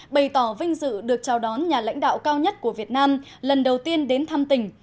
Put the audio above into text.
bày tỏ vinh dự được chào đón nhà lãnh đạo cao nhất của việt nam lần đầu tiên đến thăm tỉnh